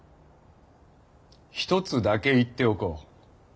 ひとつだけ言っておこう。